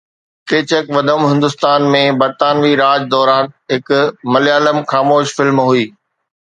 ڪيچڪ ودم هندستان ۾ برطانوي راڄ دوران هڪ مليالم خاموش فلم هئي